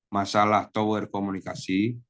masalah tower komunikasi